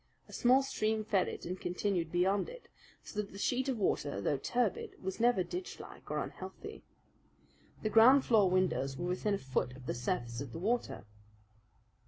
A small stream fed it and continued beyond it, so that the sheet of water, though turbid, was never ditchlike or unhealthy. The ground floor windows were within a foot of the surface of the water.